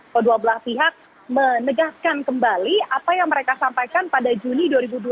kedua belah pihak menegaskan kembali apa yang mereka sampaikan pada juni dua ribu dua puluh dua dua ribu dua puluh tiga